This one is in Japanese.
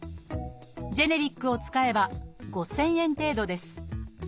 ジェネリックを使えば５，０００円程度です。